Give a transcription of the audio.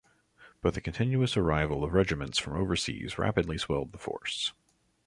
But the continuous arrival of regiments from overseas rapidly swelled the force.